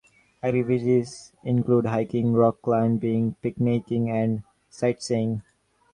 Activities include hiking, rock climbing, picnicking, and sightseeing.